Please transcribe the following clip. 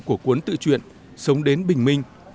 của cuốn tự chuyển sông đến bình minh